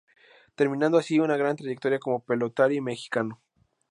Terminando así, una gran trayectoria como pelotari mexicano.